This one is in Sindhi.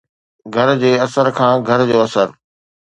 گھر جي اثر کان گھر جو اثر